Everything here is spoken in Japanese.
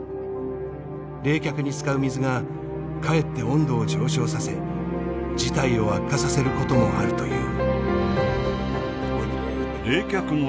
冷却に使う水がかえって温度を上昇させ事態を悪化させることもあるという。